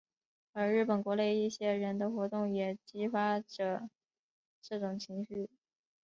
而日本国内一些人的活动也激发着这种情绪。